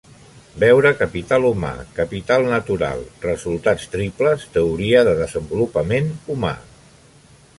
Veure capital humà, capital natural, resultats triples, teoria de desenvolupament humà.